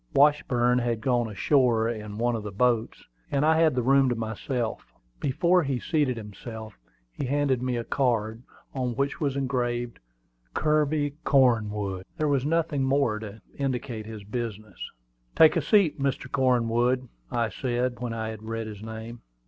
Washburn had gone ashore in one of the boats, and I had the room to myself. Before he seated himself he handed me a card, on which was engraved "Kirby Cornwood." There was nothing more to indicate his business. "Take a seat, Mr. Cornwood," I said, when I had read his name.